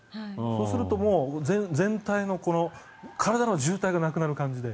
そうすると全体の体の渋滞がなくなる感じで。